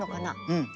うん。